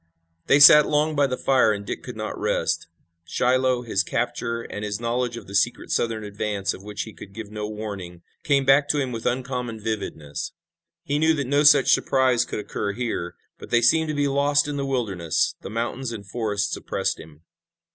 They sat long by the fire and Dick could not rest. Shiloh, his capture, and his knowledge of the secret Southern advance, of which he could give no warning, came back to him with uncommon vividness. He knew that no such surprise could occur here, but they seemed to be lost in the wilderness. The mountains and forests oppressed him.